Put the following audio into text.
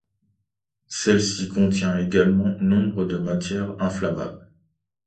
Celle-ci contient également nombre de matières inflammables.